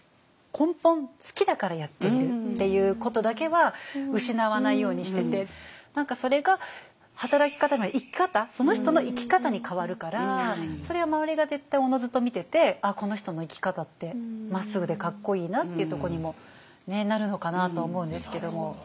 根本好きだからやっているっていうことだけは失わないようにしてて何かそれが働き方が生き方その人の生き方に変わるからそれは周りが絶対おのずと見ててこの人の生き方ってまっすぐでかっこいいなっていうとこにもなるのかなとは思うんですけども。